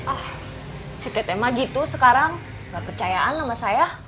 ah si teteh magi tuh sekarang gak percayaan sama saya